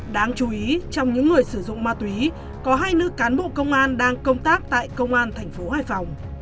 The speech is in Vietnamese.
đáng chú ý trong những người sử dụng ma túy có hai nữ cán bộ công an đang công tác tại công an tp hcm